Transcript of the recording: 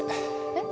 えっ？